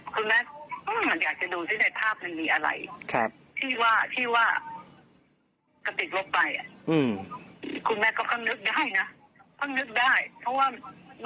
ค่อนข้างนึกได้เพราะว่ามันไม่ใช่โทรศัพท์เราไงเราก็ลืม